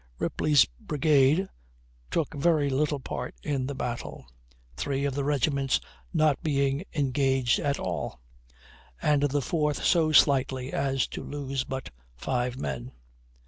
Ripley's brigade took very little part in the battle, three of the regiments not being engaged at all, and the fourth so slightly as to lose but five men.